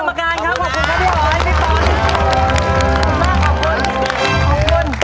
มากขอบคุณ